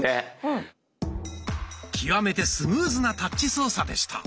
極めてスムーズなタッチ操作でした。